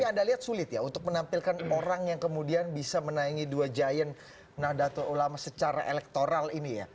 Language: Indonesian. tapi anda lihat sulit ya untuk menampilkan orang yang kemudian bisa menaingi dua giant nahdlatul ulama secara elektoral ini ya